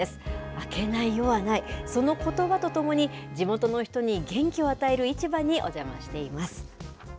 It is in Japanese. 明けない夜はない、そのことばとともに、地元の人に元気を与える市場にお邪魔しています。